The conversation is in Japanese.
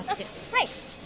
はい。